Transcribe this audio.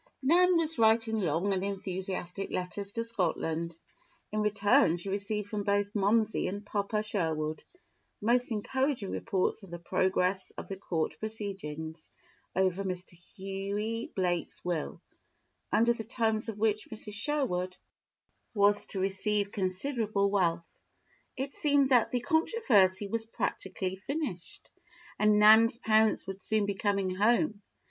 Nan was writing long and enthusiastic letters to Scotland. In return she received from both "Momsey" and "Papa Sherwood" most encouraging reports of the progress of the court proceedings over Mr. Hughie Blake's will, under the terms of which Mrs. Sherwood was to receive considerable wealth. It seemed that the controversy was practically finished, and Nan's parents would soon be coming home.